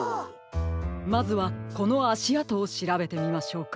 まずはこのあしあとをしらべてみましょうか。